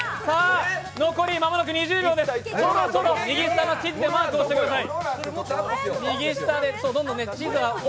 残り間もなく２０秒、そろそろ右下の地図、マークしてください。